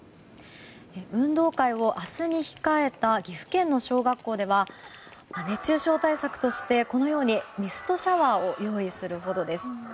運動会を明日に控えた岐阜県の小学校では熱中症対策としてミストシャワーを用意するほどです。